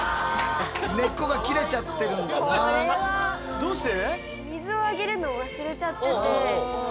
どうして？